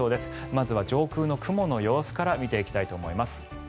まずは上空の雲の様子から見ていきたいと思います。